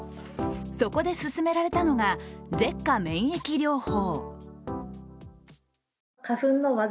そこで勧められたのが舌下免疫療法。